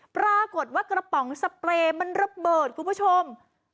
ปรากฏว่ากระป๋องสเปรย์มันระเบิดคุณผู้ชม